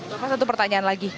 bapak satu pertanyaan lagi